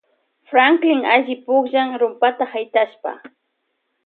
Franklin alli pukllan rumpata haytashpa.